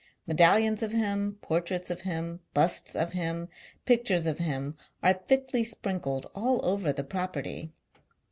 Medallions of him, portraits of him, busts of him, pictures of him, are thickly sprinkled all over the property.